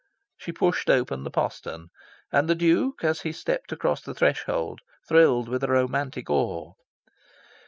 She pushed open the postern; and the Duke, as he stepped across the threshold, thrilled with a romantic awe.